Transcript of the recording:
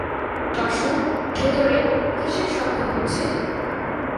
বাসু, ভেতরে কীসের শব্দ হচ্ছে?